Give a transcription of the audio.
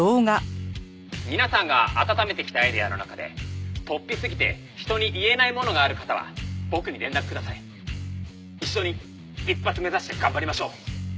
「皆さんが温めてきたアイデアの中でとっぴすぎて人に言えないものがある方は僕に連絡ください」「一緒に“一発”目指して頑張りましょう！」